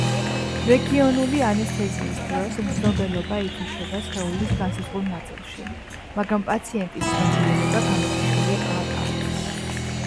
რეგიონული ანესთეზიის დროს მგრძნობელობა ითიშება სხეულის განსაზღვრულ ნაწილში, მაგრამ პაციენტის ცნობიერება გამოთიშული არ არის.